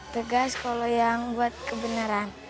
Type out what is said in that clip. tegas kalau yang buat kebenaran